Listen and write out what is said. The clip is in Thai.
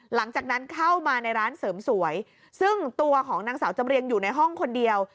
หลังจากนั้นเข้ามาในร้านเสริมสวยซึ่งตัวของนางสาวจำเรียงอยู่ในห้องคนเดียว